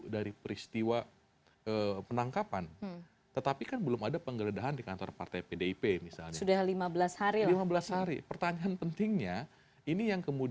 di hari minggu